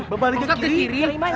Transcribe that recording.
bausat ke kiri